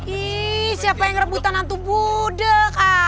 ih siapa yang rebutan hantu budeg